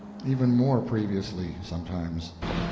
Even more previously, sometimes.